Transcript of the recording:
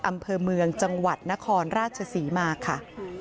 อำเภอเมืองจังหวัดนครราชศรีมาค่ะ